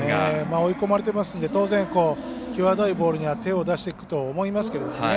追い込まれていますんで当然際どいボールには手を出していくと思いますけどね。